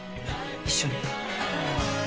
一緒に。